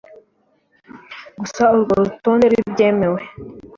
Gusa urwo rutonde rw’ibyemewe